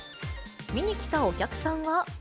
見に来たお客さんは。